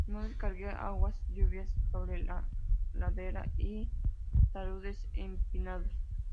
No descargue aguas lluvias sobre la ladera y taludes empinados.